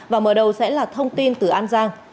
và mở đầu sẽ là thông tin từ an giang